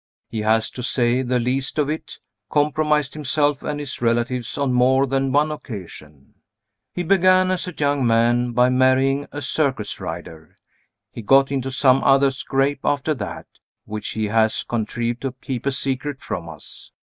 He has, to say the least of it, compromised himself and his relatives on more than one occasion. He began as a young man by marrying a circus rider. He got into some other scrape, after that, which he has contrived to keep a secret from us.